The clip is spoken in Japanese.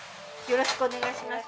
よろしくお願いします。